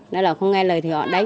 nói là không nghe lời thì họ đánh